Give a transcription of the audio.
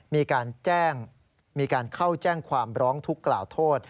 มีการเข้าแจ้งความร้องทุกข์กล่าวโทษ